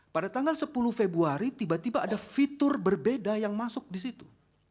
pada tanggal sepuluh februari tiba tiba ada fitur berbeda yang masuk di situ